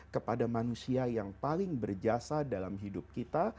kepada manusia yang paling berjasa dalam hidup kita